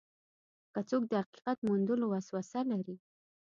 که څوک د حقیقت موندلو وسوسه لري.